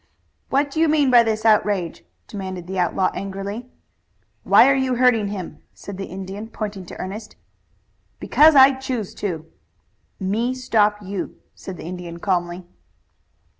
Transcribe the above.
"What do you mean by this outrage?" demanded the outlaw angrily. "Why are you hurting him?" said the Indian, pointing to Ernest. "Because I choose to." "Me stop you," said the Indian calmly.